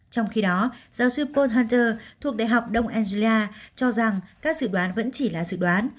trong khi đó giáo sư paul hunter thuộc đại học đông anglia cho rằng các dự đoán vẫn chỉ là dự đoán